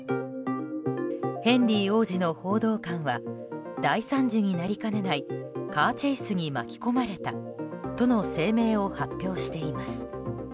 ヘンリー王子の報道官は大惨事になりかねないカーチェイスに巻き込まれたとの声明を発表しています。